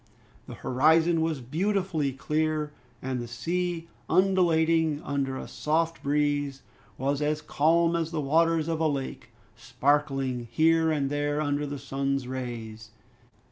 The horizon was beautifully clear, and the sea, undulating under a soft breeze, was as calm as the waters of a lake, sparkling here and there under the sun's rays.